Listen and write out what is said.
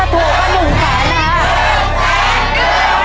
ถูกถูกถูกถูก